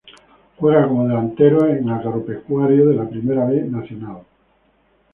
Juega como delantero en Agropecuario de la Primera B Nacional.